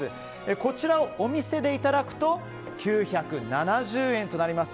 こちらをお店でいただくと９７０円となります。